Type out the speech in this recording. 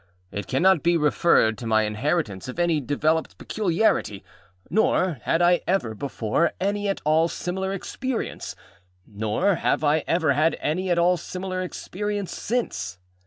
It cannot be referred to my inheritance of any developed peculiarity, nor had I ever before any at all similar experience, nor have I ever had any at all similar experience since.